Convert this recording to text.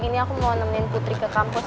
ini aku mau nemenin putri ke kampus